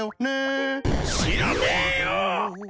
知らねえよ！